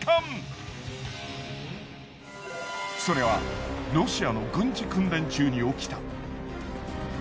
それはロシアの軍事訓練中に起きた。